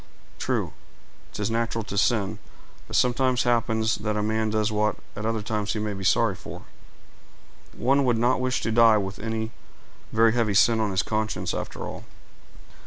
"True—'tis natural to sin; but it sometimes happens that a man does what at other times he may be sorry for. One would not wish to die with any very heavy sin on his conscience, after all."